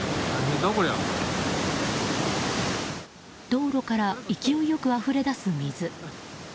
道路から勢いよくあふれ出す水。